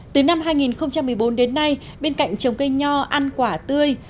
từ năm hai nghìn một mươi bốn đến nay bên cạnh trồng cây nho ăn quả tươi